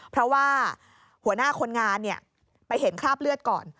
เพราะว่าหัวหน้าคนงานไปเห็นคราบเลือดก่อน